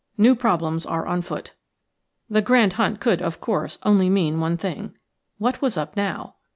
New problems are on foot." The grand hunt could, of course, only mean one thing. What was up now?